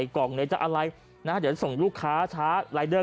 เขาก็แบบ